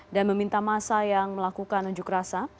dan meminta masa yang melakukan unjuk rasa